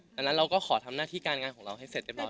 ดังนั้นเราก็ขอทำหน้าที่การงานของเราให้เสร็จเรียบร้อ